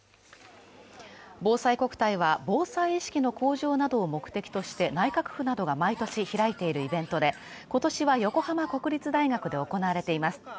ぼうさいこくたいは防災意識の向上などを目的として内閣府などが毎年開いているイベントで今年は横浜国立大学で行われています。